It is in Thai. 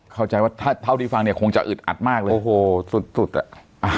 เข้าใจว่าถ้าเท่าที่ฟังเนี่ยคงจะอึดอัดมากเลยโอ้โหสุดสุดอ่ะ